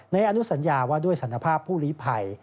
อนุสัญญาว่าด้วยศัลภาพผู้ลีภัย